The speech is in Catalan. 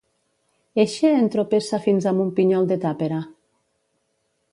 Eixe entropessa fins amb un pinyol de tàpera.